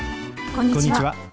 こんにちは。